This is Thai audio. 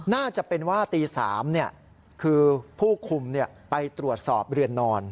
น่าจะเป็นว่าตี๓คือผู้คุมไปตรวจสอบเรือนนอน